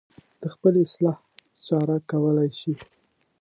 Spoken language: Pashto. د خپلې اصلاح چاره کولی شي.